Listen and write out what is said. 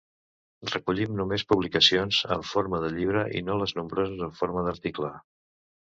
Recollim només publicacions en forma de llibre i no les nombroses en forma d'article.